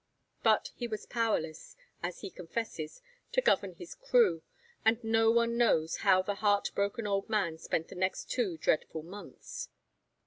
But he was powerless, as he confesses, to govern his crew, and no one knows how the heartbroken old man spent the next two dreadful months.